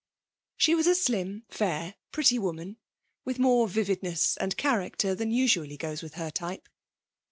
She was a slim, fair, pretty woman, with more vividness and character than usually goes with her type.